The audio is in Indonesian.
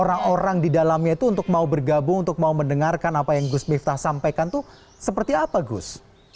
orang orang di dalamnya itu untuk mau bergabung untuk mau mendengarkan apa yang gus miftah sampaikan itu seperti apa gus